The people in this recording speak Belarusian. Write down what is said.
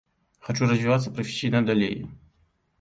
Хачу развівацца прафесійна далей.